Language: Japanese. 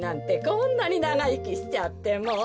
こんなにながいきしちゃってもう。